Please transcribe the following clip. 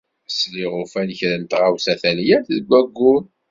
Sliɣ ufan kra n tɣawsa talyant deg ayyur.